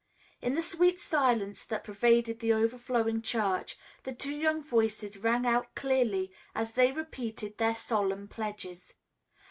In the sweet silence that pervaded the overflowing church, the two young voices rang out clearly as they repeated their solemn pledges.